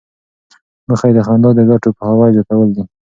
موخه یې د خندا د ګټو پوهاوی زیاتول دي.